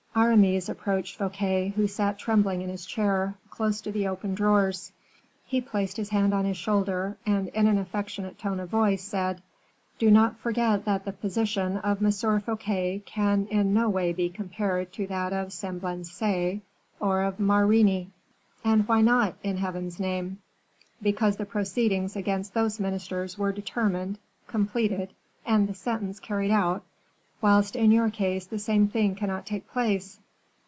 Aramis approached Fouquet, who sat trembling in his chair, close to the open drawers; he placed his hand on his shoulder, and in an affectionate tone of voice, said: "Do not forget that the position of M. Fouquet can in no way be compared to that of Semblancay or of Marigny." "And why not, in Heaven's name?" "Because the proceedings against those ministers were determined, completed, and the sentence carried out, whilst in your case the same thing cannot take place."